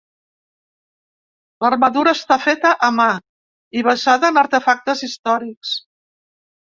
L'armadura està feta a mà i basada en artefactes històrics.